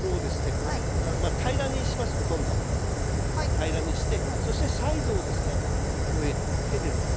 平らにしてそしてサイドをですねこう手でですね